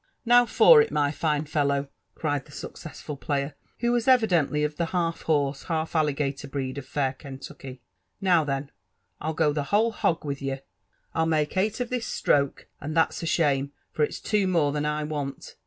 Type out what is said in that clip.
Now for it, mjr fine fellow !" eried the sueoesafti^ player, who waa evidently of tlie half horse, half alligator breed of fair Kentucky s "now, then, Fll go the whole hog with ye — I'll ihake eight of due atroke, — and that's a ahanie, for ifs two more than 1 want.